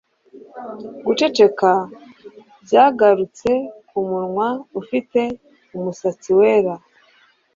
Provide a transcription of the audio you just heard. Guceceka byagarutse kumunwa ufite umusatsi wera